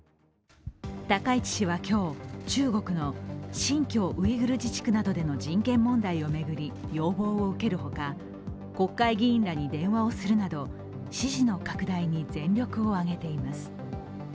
高市氏は今日、中国の新疆ウイグル自治区などでの人権問題を巡り要望を受けるほか国会議員らに電話をするなど支持の拡大に全力を挙げています。